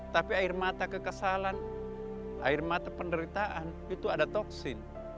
tapi air mata kekesalan air mata penderitaan itu ada toksin